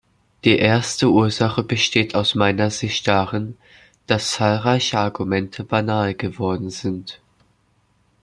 Die erste Ursache besteht aus meiner Sicht darin, dass zahlreiche Argumente banal geworden sind.